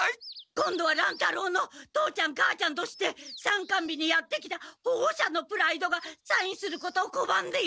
今度は乱太郎の父ちゃん母ちゃんとして参観日にやって来たほごしゃのプライドがサインすることをこばんでいるのね！